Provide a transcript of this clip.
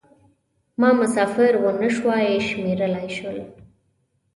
ما مسافر و نه شوای شمېرلای شول.